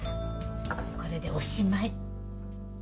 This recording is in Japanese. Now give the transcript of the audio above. これでおしまい。